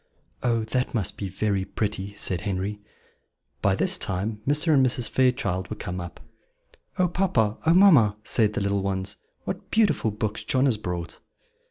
'" "Oh, that must be very pretty," said Henry. By this time Mr. and Mrs. Fairchild were come up. "Oh, papa! oh, mamma!" said the little ones, "what beautiful books John has brought!"